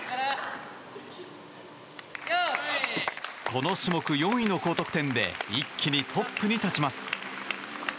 この種目４位の高得点で一気にトップに立ちます。